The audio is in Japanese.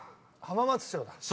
「浜松町」だ。